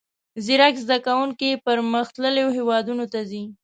زیرک زده کوونکي پرمختللیو هیوادونو ته ځي.